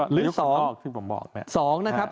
หรือ๒๒นะครับ